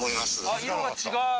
あ色が違う！